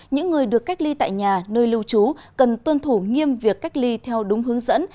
những người được cách ly tại nhà nơi lưu trú cần tuân thủ nghiêm việc cách ly theo đúng hướng dẫn